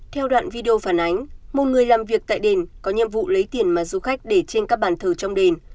theo đoạn video phản ánh một người làm việc tại đền có nhiệm vụ lấy tiền mà du khách để trên các bàn thờ trong đền